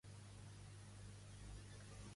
El volum; m'agradaria que l'elevessis.